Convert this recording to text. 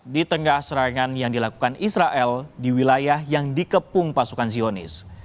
di tengah serangan yang dilakukan israel di wilayah yang dikepung pasukan zionis